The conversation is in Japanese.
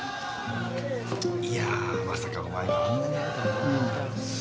いやまさかお前があんなにやるとは思わなかったよ。